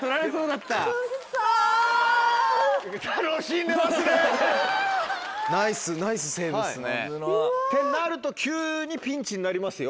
ってなると急にピンチになりますよ